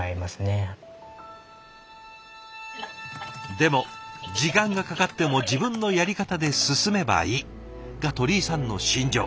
でも「時間がかかっても自分のやり方で進めばいい」が鳥居さんの信条。